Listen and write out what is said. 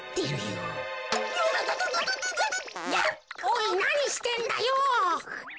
おいなにしてんだよ。